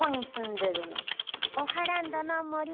オハランドのもりだよ。